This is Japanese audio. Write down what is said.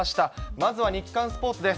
まずは日刊スポーツです。